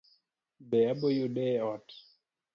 Be aboyude e ot?